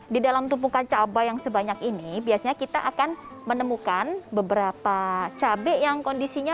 di dalam tumpukan cabai yang sebanyak ini biasanya kita akan menemukan beberapa cabai yang kondisinya